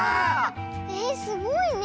えっすごいね。